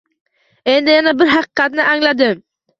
Endi yana bir haqiqatni angladim.